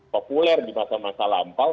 populer di masa masa lampau